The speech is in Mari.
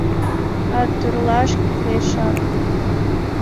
А тӧрлаш кӱлешак.